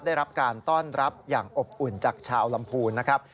ได้รับการต้อนรับอย่างอบอุ่นจากชาวลำพูนนะครับ